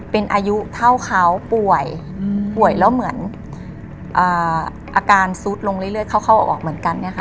เป็นอายุเท่าเขาป่วยป่วยแล้วเหมือนอาการซุดลงเรื่อยเข้าออกเหมือนกันเนี่ยค่ะ